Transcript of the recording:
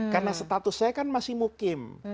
karena status saya kan masih mukim